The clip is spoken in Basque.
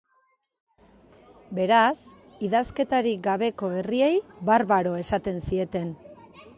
Beraz, idazkerarik gabeko herriei barbaro esaten zieten.